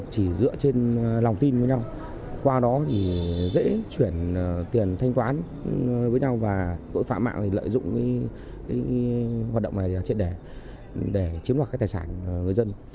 chỉ dựa trên lòng tin với nhau qua đó thì dễ chuyển tiền thanh toán với nhau và tội phạm mạng thì lợi dụng hoạt động này trên đẻ để chiếm đoạt cái tài sản người dân